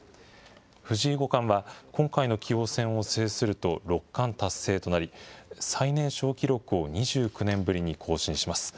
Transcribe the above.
藤井五冠は、今回の棋王戦を制すると六冠達成となり、最年少記録を２９年ぶりに更新します。